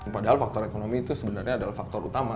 padahal faktor ekonomi itu sebenarnya adalah faktor utama